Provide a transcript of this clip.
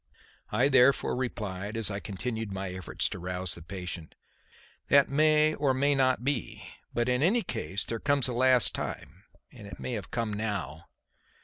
I therefore replied, as I continued my efforts to rouse the patient: "That may or may not be. But in any case there comes a last time; and it may have come now."